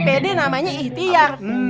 pede namanya ihtiar